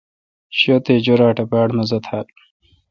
شہ تے جویراٹ اے° باڑ مزہ تھال۔